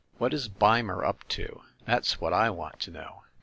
What is Beimer up to? That's what I want to know."